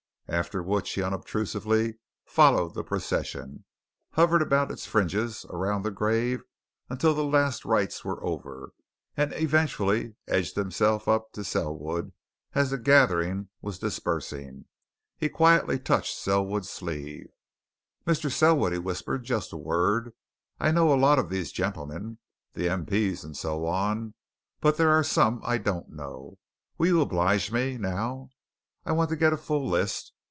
After which he unobtrusively followed the procession, hovered about its fringes around the grave until the last rites were over, and eventually edged himself up to Selwood as the gathering was dispersing. He quietly touched Selwood's sleeve. "Mr. Selwood!" he whispered. "Just a word. I know a lot of these gentlemen the M.P.'s and so on but there are some I don't know. Will you oblige me, now? I want to get a full list.